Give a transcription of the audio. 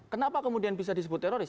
kenapa kemudian bisa disebut teroris